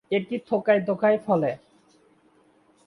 এটি থোকায় থোকায় ফলে।